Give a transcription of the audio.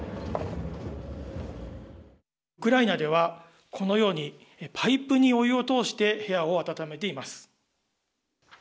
ウクライナでは、このようにパイプに、お湯を通して部屋を暖めています。